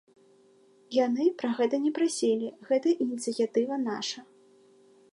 Яны пра гэта не прасілі, гэта ініцыятыва наша.